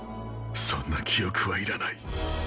そんな記憶はいらない。